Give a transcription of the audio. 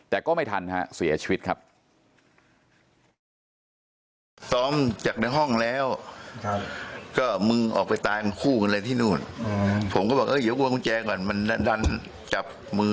แต่ก็ไม่ทันฮะเสียชีวิตครับ